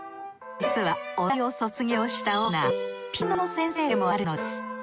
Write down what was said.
実は音大を卒業したオーナーピアノの先生でもあるのです。